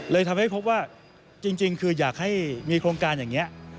เลยทำให้พบว่าจริงคืออยากให้มีโครงการอย่างนี้